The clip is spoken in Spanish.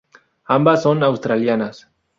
Ambas son australianas.